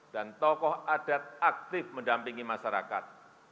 dan tokoh adat aktif mendampingi masyarakat